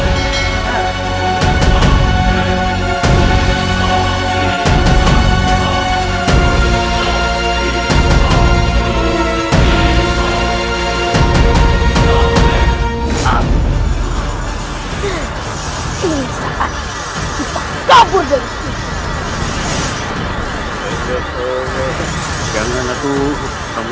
kau amuk maluku